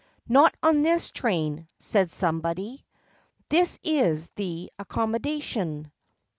"Not on this train," said somebody; "This is the accommodation."